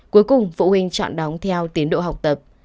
cuối cùng phụ huynh chọn đóng theo tiến độ học tập